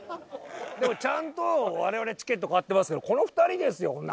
ちゃんとわれわれチケット買ってますけどこの２人ですよ。